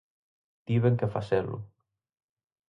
Tiven que facelo.